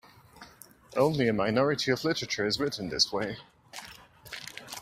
Only a minority of literature is written this way.